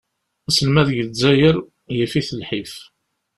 Aselmed deg Zzayer, yif-it lḥif.